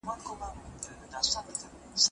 سعید له خپلې کڅوړې څخه یو نوی انځور راویوست.